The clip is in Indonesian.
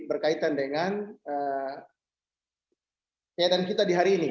berkaitan dengan keyatan kita di hari ini